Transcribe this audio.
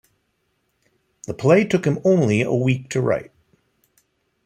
The play took him only a week to write.